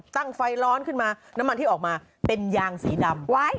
ไฟร้อนขึ้นมาน้ำมันที่ออกมาเป็นยางสีดำ